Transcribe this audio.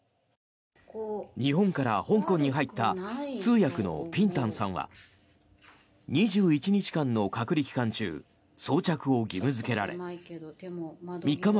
日本から香港に入った通訳のピン・タンさんは２１日間の隔離期間中装着を義務付けられ３日前